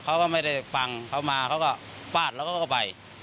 เขาก็ไม่ได้ฟังเขามาเขาก็ฟาดแล้วเขาก็ไป